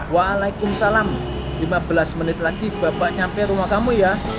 waalaikumsalam lima belas menit lagi bapak nyampe rumah kamu ya